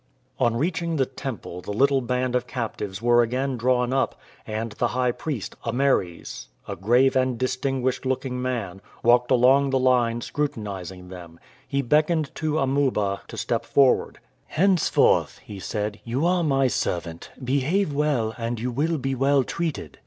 On reaching the temple the little band of captives were again drawn up, and the high priest, Ameres, a grave and distinguished looking man, walked along the line scrutinizing them. He beckoned to Amuba to step forward. "Henceforth," he said, "you are my servant. Behave well, and you will be well treated."